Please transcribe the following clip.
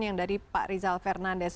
yang dari pak rizal fernandes